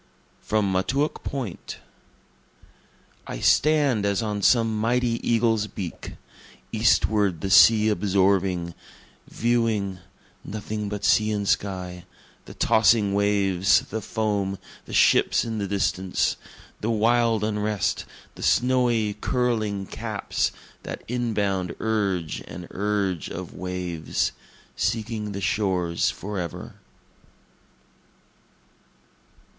From Montauk Point I stand as on some mighty eagle's beak, Eastward the sea absorbing, viewing, (nothing but sea and sky,) The tossing waves, the foam, the ships in the distance, The wild unrest, the snowy, curling caps that inbound urge and urge of waves, Seeking the shores forever.